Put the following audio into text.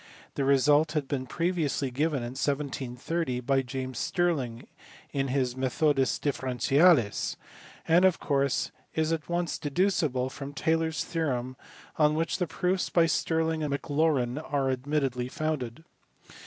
The result had been previously given in 1730 by James Stirling in his Methodus Differentialis [p. 102], and of course is at once deducible from Taylor s theorem on which the proofs by Stirling and Maclaurin are admittedly founded.